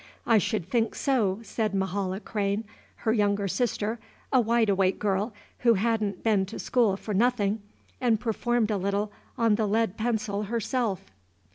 "I should think so," said Mahala Crane, her younger sister, a wide awake girl, who had n't been to school for nothing, and performed a little on the lead pencil herself.